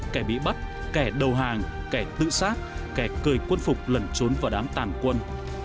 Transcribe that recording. kẻ bị bắt kẻ đầu hàng kẻ tự sát kẻ cười quân phục lẩn trốn vào đám tàn quân